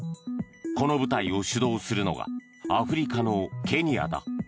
この部隊を主導するのがアフリカのケニアだ。